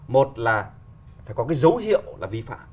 một là phải có cái dấu hiệu là